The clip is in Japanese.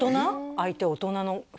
相手大人の人？